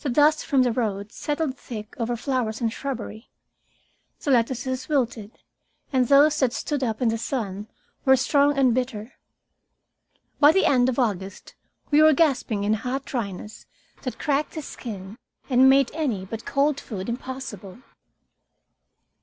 The dust from the road settled thick over flowers and shrubbery. The lettuces wilted, and those that stood up in the sun were strong and bitter. By the end of August we were gasping in a hot dryness that cracked the skin and made any but cold food impossible.